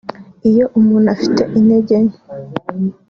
Iyo umuntu afite intege nke